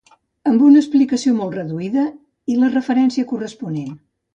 Amb una explicació molt reduïda i la referència corresponent.